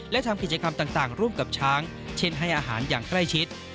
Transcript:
และทำกิจกรรมต่างร่วมกับช้างเช่นให้อาหารอย่างใกล้ชิด